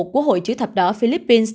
của hội chữ thập đỏ philippines